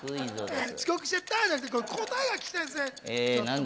遅刻しちゃったじゃなくて、答えが聞きたいんです。